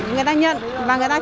người ta nhận và người ta cứu